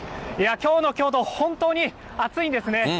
きょうの京都、本当に暑いんですね。